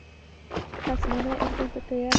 خصمانه افدام ته تیار ناست وو.